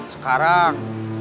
sekarang balik lagi